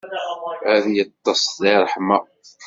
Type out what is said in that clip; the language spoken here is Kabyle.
Ad yeṭṭes deg ṛṛeḥma.